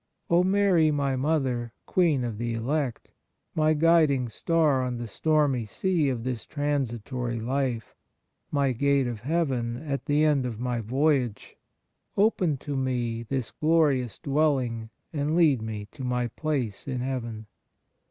O Mary, my Mother, Queen of the elect, my guiding Star on the stormy sea of this transitory life, my Gate of Heaven at the end of my voyage, open to me this glorious dwelling and lead me to my Place in Heaven!